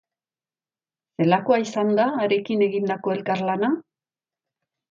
Zelakoa izan da harekin egindako elkarlana?